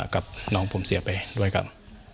กับน้องผมเสียไปด้วยกัน